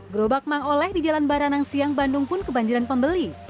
gerobak mangoleh di jalan baranang siang bandung pun kebanjiran pembeli